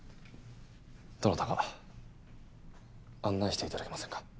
どなたか案内していただけませんか？